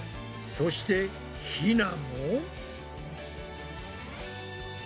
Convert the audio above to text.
そしてひなも。